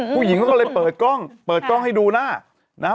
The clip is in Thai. ผู้หญิงเขาก็เลยเปิดกล้องเปิดกล้องให้ดูหน้านะฮะ